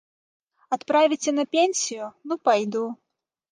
Адправіце на пенсію, ну пайду.